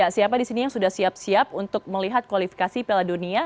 siapa di sini yang sudah siap siap untuk melihat kualifikasi piala dunia